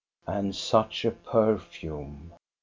And such a perfume!